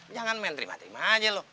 jangan main terima terima saja lo